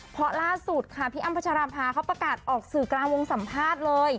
เพราะล่าสุดค่ะพี่อ้ำพัชราภาเขาประกาศออกสื่อกลางวงสัมภาษณ์เลย